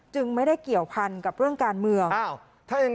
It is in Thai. ไม่ได้เกี่ยวพันกับเรื่องการเมือง